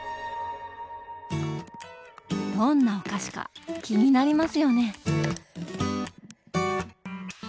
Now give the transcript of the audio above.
どんなお菓子か気になりますよね！